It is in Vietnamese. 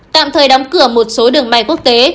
tạm thời đóng cửa một số đường bay quốc tế